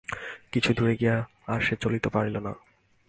কিছুদূরে গিয়া আর সে চলিতে পারিল না।